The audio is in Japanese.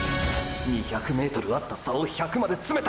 ２００ｍあった差を１００まで詰めた！！